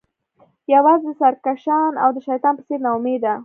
یوازې سرکښان او د شیطان په څیر ناامیده